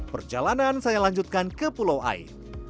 perjalanan saya lanjutkan ke pulau ai